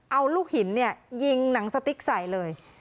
เอาลูกหินยิงหนังสติ๊กใส่เลย